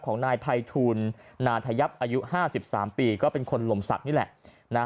ของนายไพถุณาธยัพต์อายุ๕๓ปีก็เป็นคนลมศัพท์นี่แหละ